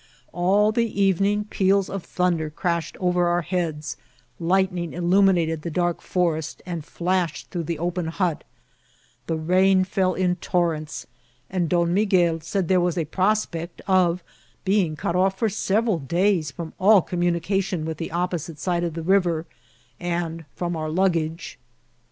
All the even ing peals of thunder crashed over our heads, lightning illuminated the dark forest and flashed through the open hut, the rain fell in torrents, and Don Miguel said that there was a prospect of being cut off for sev eral days from all communication with the opposite side of the river and from our luggage.